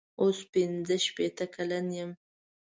اوس پنځه شپېته کلن یم.